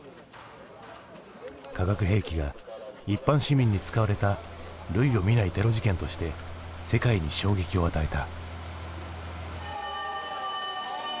化学兵器が一般市民に使われた類を見ないテロ事件として世界に衝撃を与えた。